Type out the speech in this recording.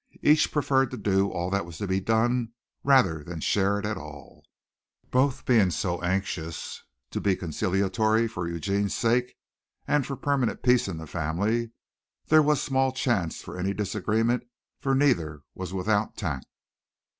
Each preferred to do all that was to be done rather than share it at all. Both being so anxious to be conciliatory for Eugene's sake and for permanent peace in the family, there was small chance for any disagreement, for neither was without tact.